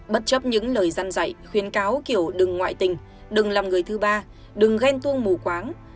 bất chấp những lời dăn dạy khuyến cáo kiểu đừng ngoại tình đừng làm người thứ ba đừng ghen tuông mù quáng